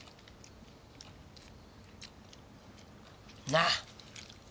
なあ。